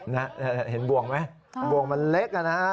เห็นบวงไหมบวงมันเล็กนะฮะ